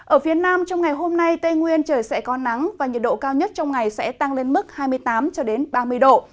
ở phía nam trong ngày hôm nay tây nguyên trời sẽ có nắng và nhiệt độ cao nhất trong ngày sẽ tăng lên mức hai mươi tám ba mươi độ